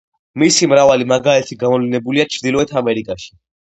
მისი მრავალი მაგალითი გამოვლინებულია ჩრდილოეთ ამერიკაში.